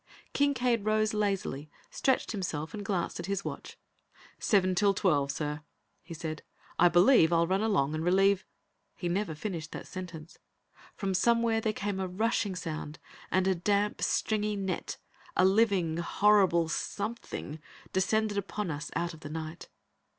Kincaide rose lazily, stretched himself, and glanced at his watch. "Seven till twelve, sir," he said. "I believe I'll run along and relieve " He never finished that sentence. From somewhere there came a rushing sound, and a damp, stringy net, a living, horrible, something, descended upon us out of the night.